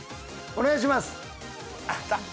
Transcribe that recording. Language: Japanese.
お願いします。